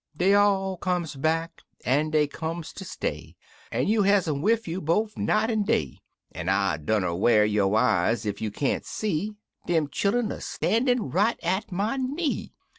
Dey all comes back, an' dey comes ter stay. An' you has um wid you bofe night an' day— An' I dunner whar yo* eyes ef you can't see Dem chillun a stan'in' right at my knee.